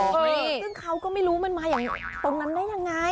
ซึ่งเขาก็ไม่รู้มันมาอย่างตรงนั้นได้ยังไง